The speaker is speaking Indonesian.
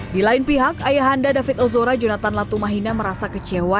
di lain pihak ayahanda david ozora jonathan latumahina merasa kecewa